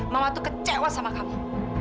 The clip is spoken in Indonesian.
mama tuh kecewa sama kami